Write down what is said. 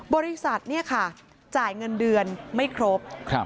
บริษัทเนี่ยค่ะจ่ายเงินเดือนไม่ครบ